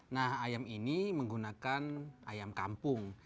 nah ayam ini menggunakan ayam kampung